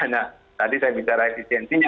nah tadi saya bicara efisiensinya